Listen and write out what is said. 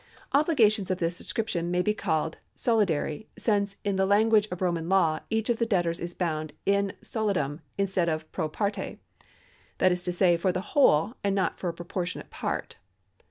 ^ ObUgations of this description may be called solidary, since in the language of Roman law, each of the debtors is bound in solidum instead of pro parte ; that is to say, for the whole, and not for a proportionate part.